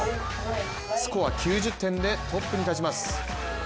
スコア９０点でトップに立ちます。